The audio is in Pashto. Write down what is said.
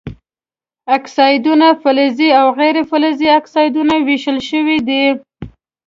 اکسایدونه فلزي او غیر فلزي اکسایدونو ویشل شوي دي.